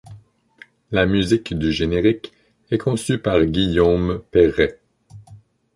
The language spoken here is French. La musique du générique est conçue par Guillaume Perret.